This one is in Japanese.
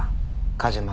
梶間